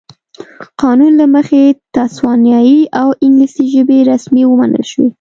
قانون له مخې تسوانایي او انګلیسي رسمي ژبې ومنل شوې.